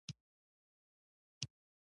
ایا د لیدلو ستونزه لرئ؟